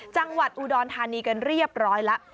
จังหวัดอูดอนทานีกันเรียบร้อยละ